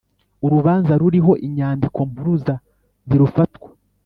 urubanza ruriho inyandikompuruza ntirufatwa